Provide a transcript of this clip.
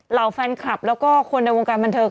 เหล่าแฟนคลับแล้วก็คนในวงการบันเทิง